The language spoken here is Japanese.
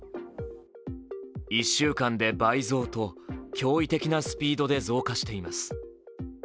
１週間で倍増と、驚異的なスピードで増加しています。